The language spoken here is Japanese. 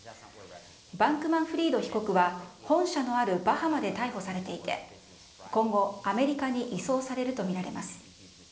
バンクマンフリード被告は本社のあるバハマで逮捕されていて、今後、アメリカに移送されると見られます。